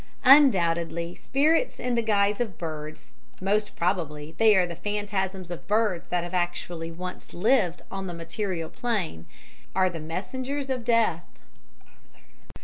Undoubtedly, spirits in the guise of birds most probably they are the phantasms of birds that have actually once lived on the material plane are the messengers of death.